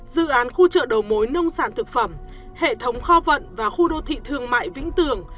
dự án khu chợ đầu mối nông sản thực phẩm hệ thống kho vận và khu đô thị thương mại vĩnh tường